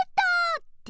って。